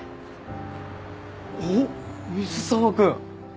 おおっ水沢君。